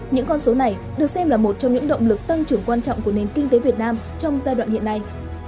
những con số này được xem là một trong những động lực tăng trưởng quan trọng của nền kinh tế việt nam trong giai đoạn hiện nay